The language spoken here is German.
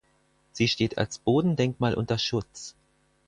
Sie steht als Bodendenkmal unter Schutz.